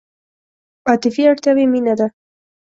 عاطفي اړتیاوې مینه ده.